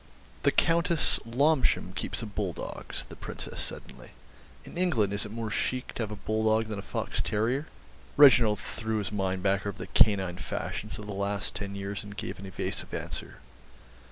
"The Countess Lomshen keeps a bull dog," said the Princess suddenly. "In England is it more chic to have a bull dog than a fox terrier?" Reginald threw his mind back over the canine fashions of the last ten years and gave an evasive answer.